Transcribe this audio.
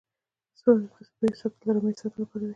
د سپیو ساتل د رمې د ساتنې لپاره وي.